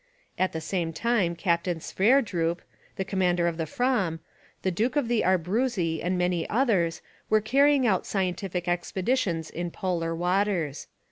At the same time Captain Sverdrup (the commander of the Fram), the Duke of the Abruzzi and many others were carrying out scientific expeditions in polar waters.